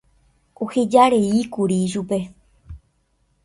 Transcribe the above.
ohejareíkuri ichupe